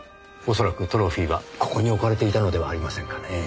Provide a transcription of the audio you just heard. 恐らくトロフィーはここに置かれていたのではありませんかねぇ。